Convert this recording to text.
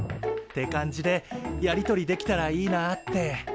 って感じでやり取りできたらいいなって。